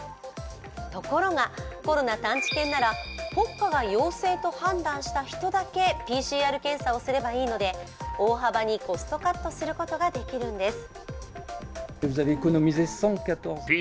ところが、コロナ探知犬ならポッカが陽性と判断した人だけＰＣＲ検査をすればいいので大幅にコストカットすることができるんです。